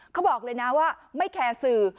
เขาบอกเลยนะว่าไม่แคร์สื่อ